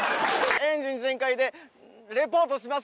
エンジン全開でリポートします。